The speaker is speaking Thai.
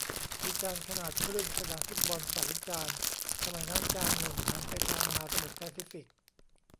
มีจานขนาดครึ่งสนามฟุตบอล สอง จาน สมัยนั้นจานหนึ่งหันไปทางมหาสมุทรแปซิฟิก